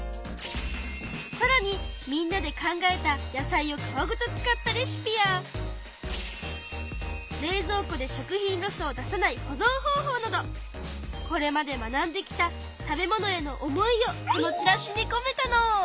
さらにみんなで考えた野菜を皮ごと使ったレシピや冷蔵庫で食品ロスを出さない保ぞん方法などこれまで学んできた食べ物への思いをこのチラシにこめたの！